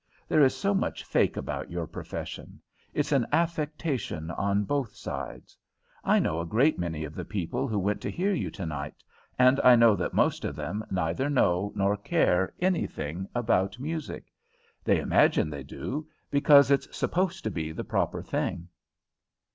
There is so much fake about your profession. It's an affectation on both sides. I know a great many of the people who went to hear you tonight, and I know that most of them neither know nor care anything about music. They imagine they do, because it's supposed to be the proper thing."